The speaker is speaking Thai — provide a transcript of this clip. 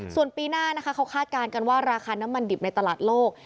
ส่วนปีหน้านะคะเขาคาดการณ์กันว่าราคาน้ำมันดิบในตลาดโลก